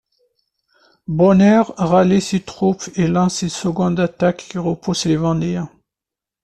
Bonnaire rallie ses troupes et lance une seconde attaque qui repousse les Vendéens.